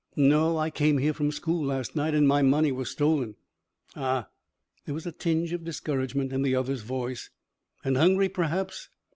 "No. I came here from school last night and my money was stolen." "Ah," there was a tinge of discouragement in the other's voice. "And hungry, perhaps?"